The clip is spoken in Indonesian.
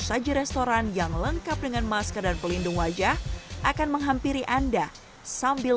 saja restoran yang lengkap dengan masker dan pelindung wajah akan menghampiri anda sambil